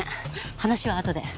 話はあとで。